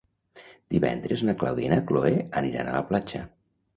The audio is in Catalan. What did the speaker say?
Divendres na Clàudia i na Cloè aniran a la platja.